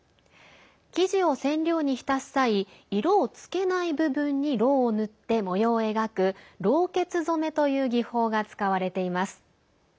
生地を染料に浸す際色をつけない部分にろうを塗って模様を描くろうけつ染めという技法が使われています。